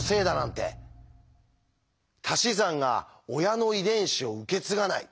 たし算が親の遺伝子を受け継がない。